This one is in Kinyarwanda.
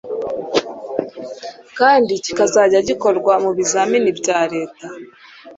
kandi kikazajya gikorwa mu bizamini bya leta.